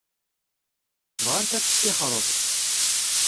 Bɣant ad teṭṭixreḍ.